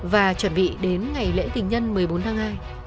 và chuẩn bị đến ngày lễ tình nhân một mươi bốn tháng hai